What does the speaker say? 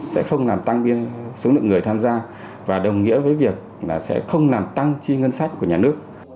sẽ không làm tăng số lượng người tham gia và đồng nghĩa với việc là sẽ không làm tăng chi ngân sách của nhà nước